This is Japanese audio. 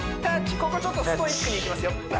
ここちょっとストイックにいきますよ